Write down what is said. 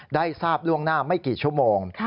ได้ทราบล่วงหน้าไม่กี่ชั่วโมง